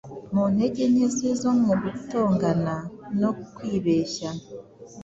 Mu ntege nke ze zo gutongana no kwibehya